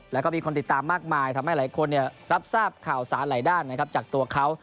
แล้วก็มีคนติดตามมากมายทำให้หลายคนรับทราบข่าวสารหลายด้านนะครับจากตัวเขา